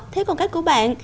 thế còn cách của bạn